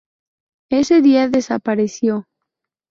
Ese día desapareció.